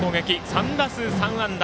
３打数３安打。